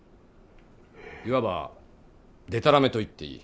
いわばでたらめと言っていい。